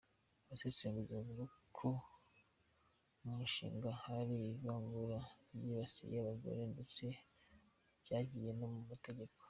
Abasesenguzi bavuga ko mu Bushinwa hari ivangura ryibasiye abagore ndetse byagiye no mu mategeko.